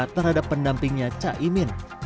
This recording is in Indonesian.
terhadap pendampingnya caimin